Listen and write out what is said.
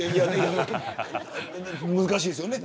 難しいですよね。